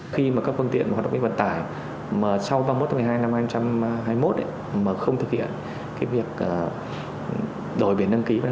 khi các phương tiện hoạt động với vận tải mà sau ba mươi một một mươi hai hai nghìn hai mươi một mà không thực hiện việc đổi biển đăng ký